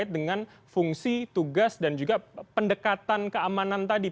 dengan fungsi tugas dan juga pendekatan keamanan tadi